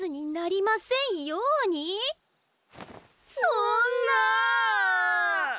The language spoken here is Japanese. そんな！